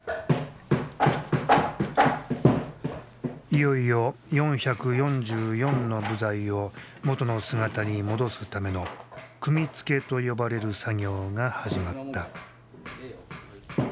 いよいよ４４４の部材を元の姿に戻すための組み付けと呼ばれる作業が始まった。